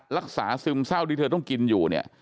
รักษาซึมเศร้าที่เธอต้องกินอยู่